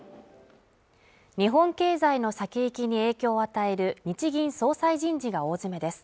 日本経済の先行きに影響を与える日銀総裁人事が大詰めです